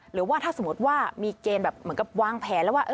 หรือว่าถ้าสมมติว่ามีเกณฑ์แบบเหมือนกับวางแผนแล้วว่า